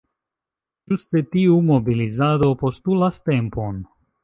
Ĝuste tiu mobilizado postulas tempon.